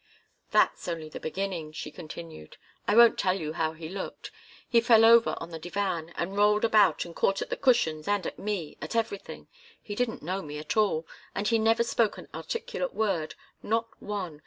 "That's only the beginning," she continued. "I won't tell you how he looked. He fell over on the divan and rolled about and caught at the cushions and at me at everything. He didn't know me at all, and he never spoke an articulate word not one.